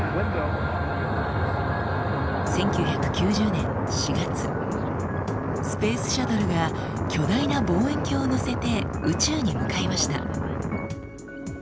１９９０年４月スペースシャトルが巨大な望遠鏡を載せて宇宙に向かいました。